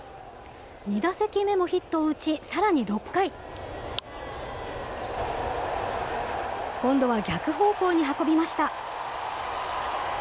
２打席目もヒットを打ち、さらに６回。今度は逆方向に運びました。